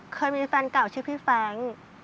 เคยมีแฟนเก่าชื่อพี่แฟรงค์